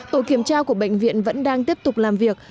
tổ kiểm tra của bệnh viện vẫn đang tiếp tục làm việc